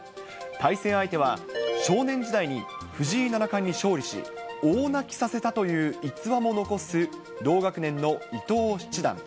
対戦相手は、少年時代に藤井七冠に勝利し、大泣きさせたという逸話も残す同学年の伊藤七段。